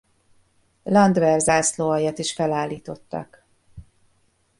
Landwehr-zászlóaljat is felállítottak.